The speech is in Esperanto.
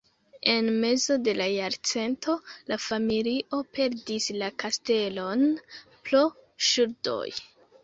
En mezo de la jarcento la familio perdis la kastelon pro ŝuldoj.